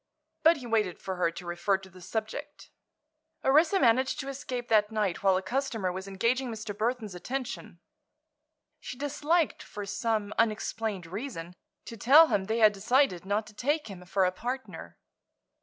But he waited for her to refer to the subject. Orissa managed to escape that night while a customer was engaging Mr. Burthon's attention. She disliked, for some unexplained reason, to tell him they had decided not to take him for a partner.